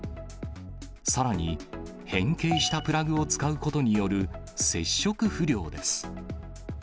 さらに、変形したプラグを使うことによる接触不良です。